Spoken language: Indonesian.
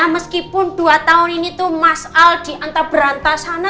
meskipun dua tahun ini tuh mas al dianggap berantas sana